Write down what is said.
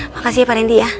makasih ya pak rendy ya